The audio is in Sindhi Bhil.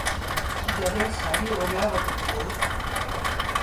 جڏهيݩ سآڳي اوليآ وٽ پُڳو